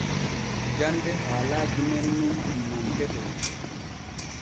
Jande haalaaji nen nun ɗun mantetee.